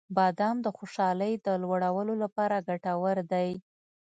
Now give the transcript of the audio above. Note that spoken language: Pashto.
• بادام د خوشحالۍ د لوړولو لپاره ګټور دی.